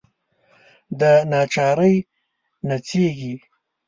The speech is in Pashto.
دناچارۍ نڅیږې